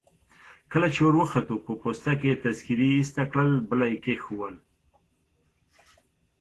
کله چي وروختو په پوسته کي يې تذکیره ایسته کړل، بله يي کښېښول.